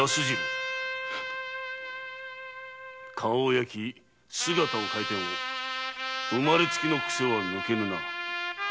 顔を焼き姿を変えても生まれつきの癖は抜けぬな。